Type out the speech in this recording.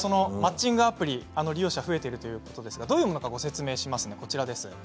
マッチングアプリ利用者が増えているということですがどういうものかご説明します。